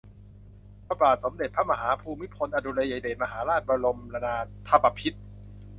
พระบาทสมเด็จพระมหาภูมิพลอดุลยเดชมหาราช บรมนาถบพิตร